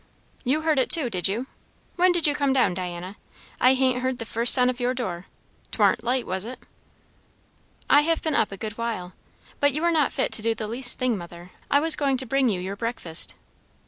"You heard it too, did you? When did you come down, Diana? I hain't heard the first sound of your door. 'Twarn't light, was it?" "I have been up a good while. But you are not fit to do the least thing, mother. I was going to bring you your breakfast."